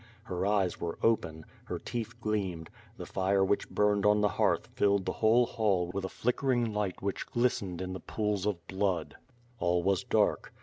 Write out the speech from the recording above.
Her eyes were open; her teeth gleamed; the fire which burned on the hearth filled the whole hall with a flickering light which glistened in the pools of blood. All was dark.